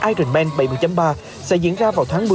ironman bảy mươi ba sẽ diễn ra vào tháng một mươi